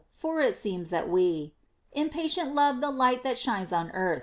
For it seems that we Impatient love the light that shines on earth.